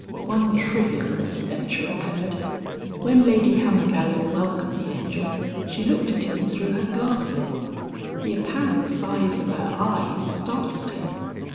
One trivial misadventure occurred. When Lady Hammergallow welcomed the Angel she looked at him through her glasses. The apparent size of her eyes startled him.